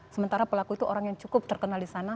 sementara pelaku itu orang yang cukup terkenal di sana